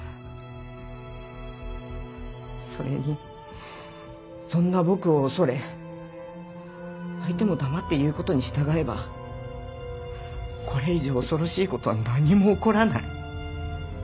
それにそんな僕を恐れ相手も黙って言うことに従えばこれ以上恐ろしいことは何も起こらない。